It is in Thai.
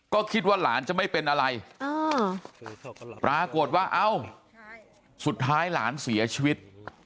ก็คิดว่าหลานจะไม่เป็นอะไรปรากฏว่าเอ้าสุดท้ายหลานเสียชีวิต